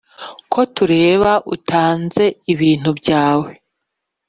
Ko tureba utanze ibintu byawe